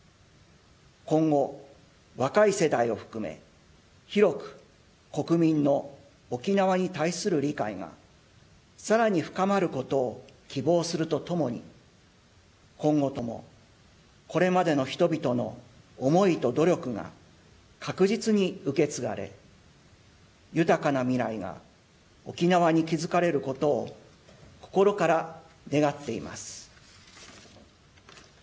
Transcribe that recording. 今後、若い世代を含め広く国民の沖縄に対する理解が更に深まることを希望するとともに今後とも、これまでの人々の思いと努力が確実に受け継がれ豊かな未来が沖縄に築かれることを心から願っています。